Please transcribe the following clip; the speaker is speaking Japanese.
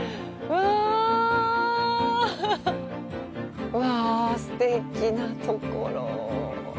うわぁ、すてきなところ。